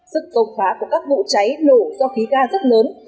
sức công phá của các vụ cháy nổ do khí ga rất lớn